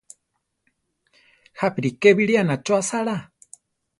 Jápi ríke biléana cho asála.